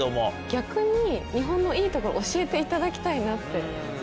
逆に日本のいいところ教えていただきたいなって感じました。